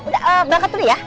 udah berangkat dulu ya